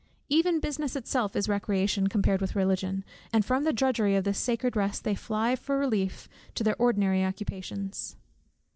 Even business itself is recreation, compared with Religion, and from the drudgery of this day of Sacred Rest they fly for relief to their ordinary occupations.